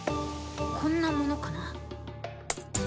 こんなものかな。